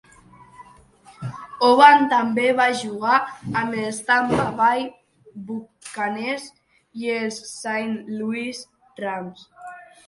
Hovan també va jugar amb els Tampa Bay Buccaneers i els Saint Louis Rams.